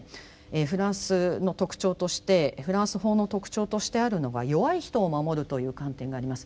フランスの特徴としてフランス法の特徴としてあるのが弱い人を守るという観点があります。